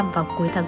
vào cuối tháng bốn